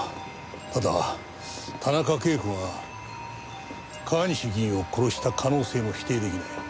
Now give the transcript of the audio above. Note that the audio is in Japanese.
ただ田中啓子が川西議員を殺した可能性も否定出来ない。